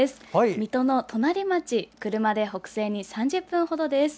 水戸の隣町車で北西に３０分程です。